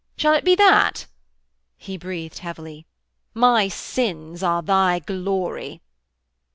Shall it be that?' He breathed heavily. 'My sins are thy glory.'